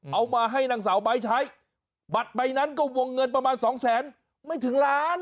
เอามาให้นางสาวไบท์ใช้บัตรใบนั้นก็วงเงินประมาณสองแสนไม่ถึงล้าน